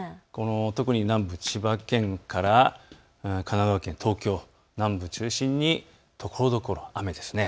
特に南部、千葉県から神奈川県、東京南部を中心にところどころ雨ですね。